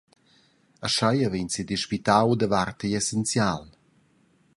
Aschia vegn sedispitau davart igl essenzial.